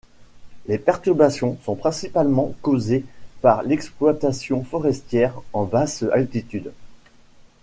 Les perturbations sont principalement causées par l'exploitation forestière en basse altitude.